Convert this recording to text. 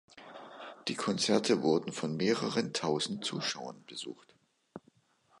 Die Konzerte wurden von mehreren tausend Zuschauern besucht.